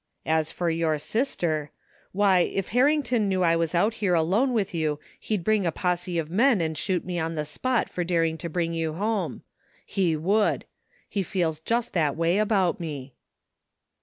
As for your sister! Why, if Harrington knew I was out here alone with you he'd bring a posse of men and shoot me on the spot for dar ing to bring you home. He would He feels just that way about me."